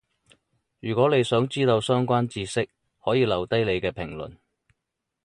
如果你想知到相關智識，可以留低你嘅評論